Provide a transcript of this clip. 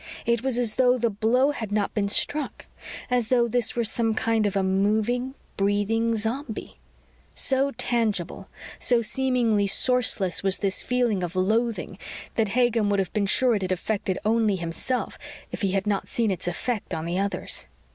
It was as though the blow had not been struck; as though this were some kind of a moving, breathing zombie. So tangible, so seemingly sourceless was this feeling of loathing, that Hagen would have been sure it had affected only himself if he had not seen its effect on the others.